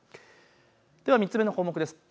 では３つ目の項目です。